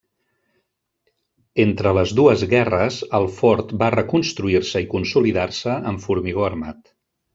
Entre les dues guerres, el fort va reconstruir-se i consolidar-se amb formigó armat.